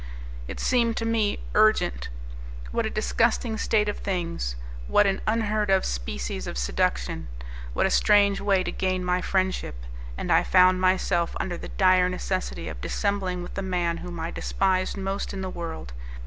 It seemed to me urgent. What a disgusting state of things! What an unheard of species of seduction! What a strange way to gain my friendship! And I found myself under the dire necessity of dissembling with the man whom I despised most in the world!